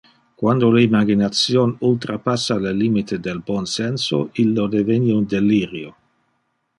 Quando le imagination ultrapassa le limite del bon senso illo deveni un delirio.